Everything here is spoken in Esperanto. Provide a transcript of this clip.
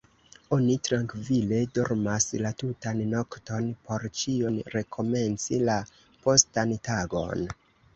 Oni trankvile dormas la tutan nokton, por ĉion rekomenci la postan tagon.